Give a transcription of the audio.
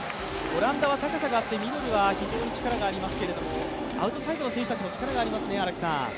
オランダは高さがあってミドルは非常に力がありますけどアウトサイドの選手たちも力がありますね。